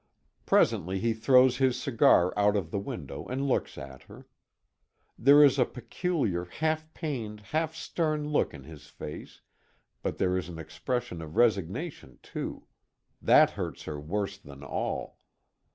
Presently he throws his cigar out of the window and looks at her. There is a peculiar, half pained, half stern look in his face, but there is an expression of resignation too that hurts her worse than all.